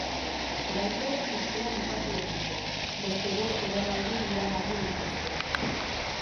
Oraingoz, urtea bukatu orduko, beste bost emanaldi iragarri dituzte.